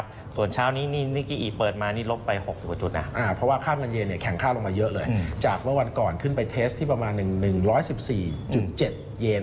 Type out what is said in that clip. เพราะตอนนี้ถ้าใครจะไปเที่ยวญี่ปุ่น